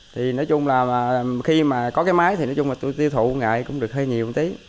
thì nói chung là khi mà có cái máy thì nói chung là tiêu thụ nghệ cũng được hơi nhiều một tí